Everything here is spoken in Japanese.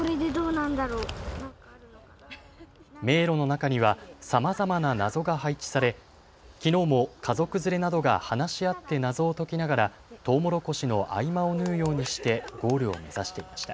迷路の中には、さまざまな謎が配置され、きのうも家族連れなどが話し合って謎を解きながらトウモロコシの合間を縫うようにしてゴールを目指していました。